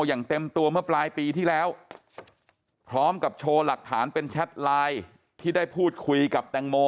อย่างเต็มตัวเมื่อปลายปีที่แล้วพร้อมกับโชว์หลักฐานเป็นแชทไลน์ที่ได้พูดคุยกับแตงโม